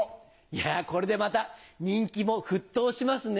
いやこれでまた人気も沸騰しますね。